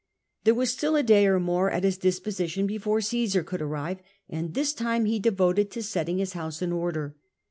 There was still a day or more at his disposition before Osesar could arrive, and this time he devoted to setting his house in order.